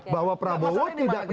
bahwa prabowo tidak pensiun